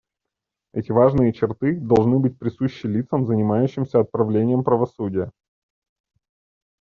Эти важные черты должны быть присущи лицам, занимающимся отправлением правосудия.